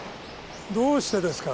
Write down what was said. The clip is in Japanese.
どうしてですか？